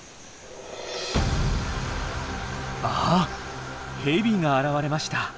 あっヘビが現れました。